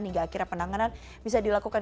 hingga akhirnya penanganan bisa dilakukan